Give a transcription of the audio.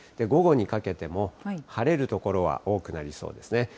午後にかけても、晴れる所は多くなりそうですね。